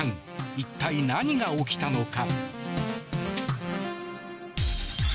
一体、何が起きたのか。